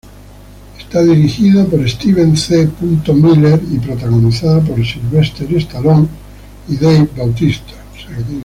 Esta dirigida por Steven C. Miller y protagonizada por Sylvester Stallone y Dave Bautista.